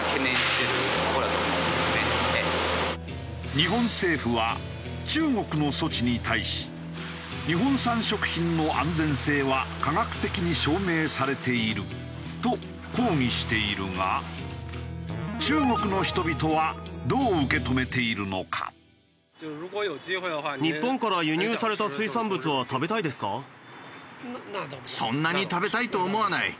日本政府は中国の措置に対し日本産食品の安全性は科学的に証明されていると抗議しているが中国の人々はどう受け止めているのか。と思っている。